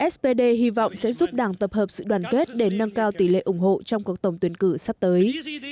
spd hy vọng sẽ giúp đảng tập hợp sự đoàn kết để nâng cao tỷ lệ ủng hộ trong cuộc tổng tuyển cử sắp tới